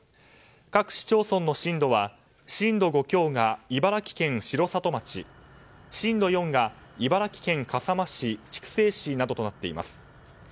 各市町村の震度は震度５強が茨城県城里町震度４が茨城県笠間市筑西市などとなっています。